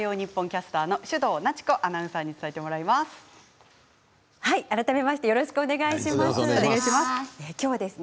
キャスターの首藤奈知子アナウンサーに改めましてよろしくお願いします。